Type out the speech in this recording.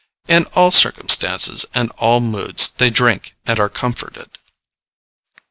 In all circumstances and all moods they drink and are comforted.